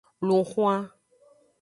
Lun hwan.